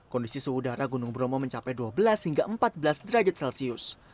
kondisi suhu udara gunung bromo mencapai dua belas hingga empat belas derajat celcius